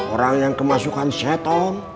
orang yang kemasukan setong